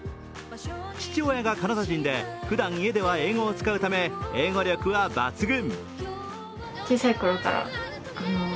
父親がカナダ人で、ふだん家では英語を使うため英語力は抜群。